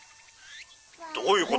どういうこと？」。